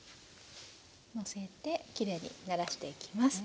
のせてきれいにならしていきます。